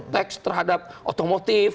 teks terhadap otomotif